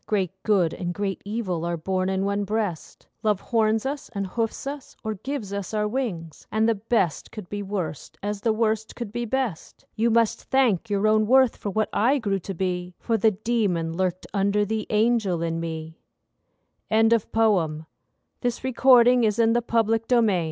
Great good and great evil are born in one breast: Love horns us and hoofs us, or gives us our wings, And the best could be worst, as the worst could be best. You must thank your own worth for what I grew to be, For the demon lurked under the angel in me. THE WORLD'S NEED So many gods, so many creeds, So man